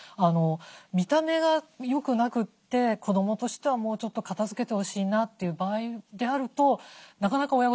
見た目が良くなくて子どもとしてはもうちょっと片づけてほしいなという場合であるとなかなか親御さんもね